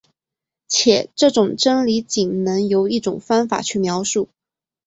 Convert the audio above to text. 且这种真理仅能由一种方法去描述。